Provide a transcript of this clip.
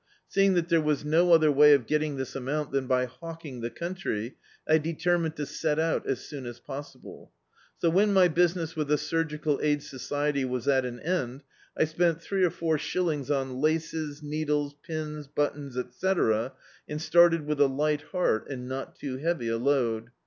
Seeing that there was no other way of getting this amount than by hawking the country, I determined to set out as soon as possible. So, when my business with the Surgical Aid Society was at an end, I spent three or four shillings on laces, needles, pins, buttons, etc., and started with a lig^t heart and not too heavy a load.